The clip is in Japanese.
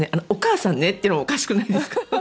お母さんねってのもおかしくないですか？